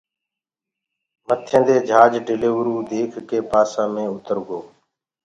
مٿينٚدي جھاج ڊليورو ديک ڪي پاسا مي اُترگو